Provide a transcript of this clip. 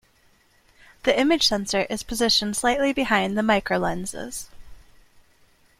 The image sensor is positioned slightly behind the microlenses.